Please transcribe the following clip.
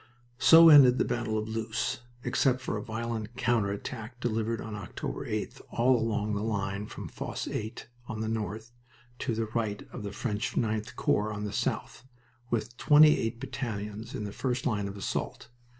So ended the battle of Loos, except for a violent counter attack delivered on October 8th all along the line from Fosse 8 on the north to the right of the French 9th Corps on the south, with twenty eight battalions in the first line of assault.